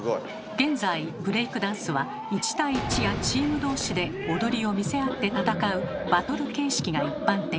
現在ブレイクダンスは１対１やチーム同士で踊りを見せ合って戦う「バトル形式」が一般的。